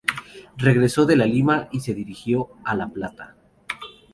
Regresó de Lima y se dirigió a La Plata.